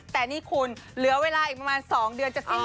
แต่นี่คุณเหลือเวลาอีกประมาณ๒เดือนจะสิ้น